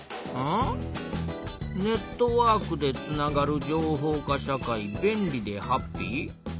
ん？「ネットワークでつながる情報化社会便利でハッピー！」。